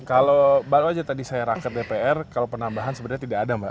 kalau baru aja tadi saya raket dpr kalau penambahan sebenarnya tidak ada mbak